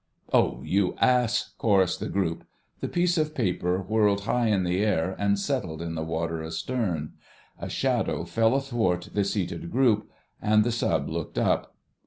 "Oh, you ass!" chorussed the group. The piece of paper whirled high in the air and settled into the water astern. A shadow fell athwart the seated group, and the Sub. looked up.